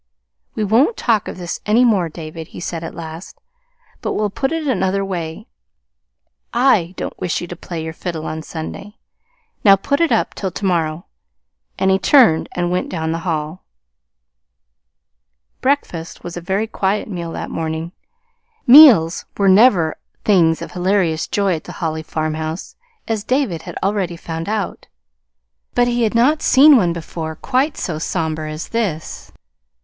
"We won't talk of this any more, David," he said at last; "but we'll put it another way I don't wish you to play your fiddle on Sunday. Now, put it up till to morrow." And he turned and went down the hall. Breakfast was a very quiet meal that morning. Meals were never things of hilarious joy at the Holly farmhouse, as David had already found out; but he had not seen one before quite so somber as this.